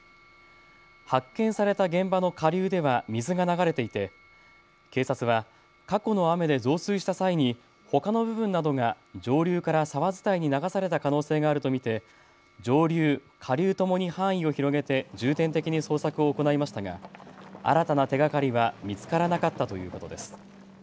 発見された現場の下流では水が流れていて警察は過去の雨で増水した際にほかの部分などが上流から沢伝いに流された可能性があると見て上流、下流ともに範囲を広げて重点的に捜索を行いましたが新たな手がかりは見つからなかったということです。